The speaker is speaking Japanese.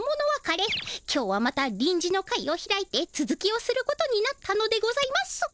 今日はまたりんじの会を開いてつづきをすることになったのでございます。